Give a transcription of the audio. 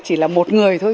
chỉ là một người thôi